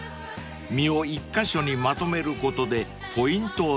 ［実を１カ所にまとめることでポイントを作り